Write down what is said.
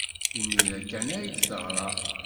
Imir-a kan ay d-teɣra.